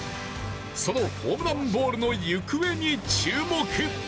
そのホームランボールの行方に注目。